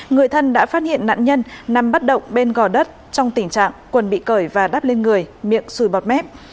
người thân đã phát hiện nạn nhân nằm bất động bên gò đất trong tình trạng quần bị cởi và đắp lên người miệng xùi bọt mép